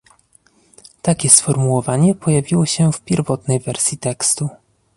Takie sformułowanie pojawiło się w pierwotnej wersji tekstu